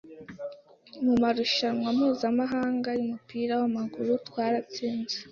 mu marushanwa mpuzamahanga y'umupira w'amaguru twaratsinze.